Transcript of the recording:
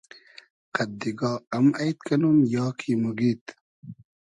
قئد دیگا ام اݷد کئنوم یا کی موگیید؟